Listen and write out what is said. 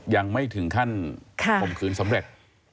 ยังไม่ถึงขั้นข่มขืนสำเร็จ